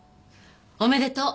おめでとう。